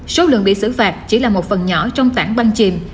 số lượng bị xử phạt chỉ là một phần nhỏ trong tản băng chìm